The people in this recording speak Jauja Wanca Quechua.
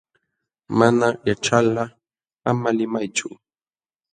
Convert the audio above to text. Mana yaćhalqa ama limaychu.